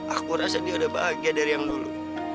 aku rasa dia udah bahagia dari yang dulu